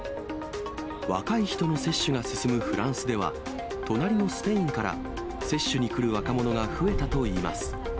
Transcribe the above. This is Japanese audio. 若い人の接種が進むフランスでは、隣のスペインから接種に来る若者が増えたといいます。